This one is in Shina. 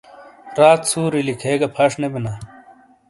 رات سُوری لکھے گہ پھش نے بینا۔